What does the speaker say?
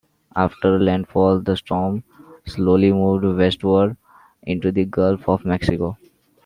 After landfall, the storm slowly moved westward into the Gulf of Mexico.